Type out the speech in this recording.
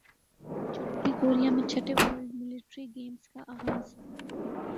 جنوبی کوریا میں چھٹے ورلڈ ملٹری گیمز کا اغاز